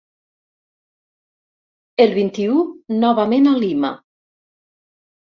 El vint-i-u novament a Lima.